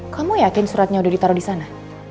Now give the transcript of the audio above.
kamu yakin suratnya sudah ditaruh di sana